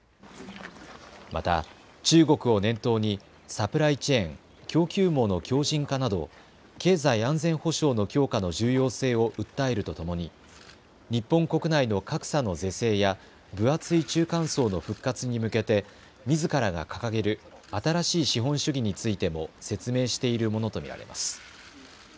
また中国を念頭にサプライチェーン・供給網の強じん化など経済安全保障の強化の重要性を訴えるとともに日本国内の格差の是正や分厚い中間層の復活に向けてみずからが掲げる新しい資本主義についても説明しているものと見られます。